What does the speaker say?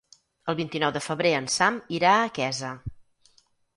El vint-i-nou de febrer en Sam irà a Quesa.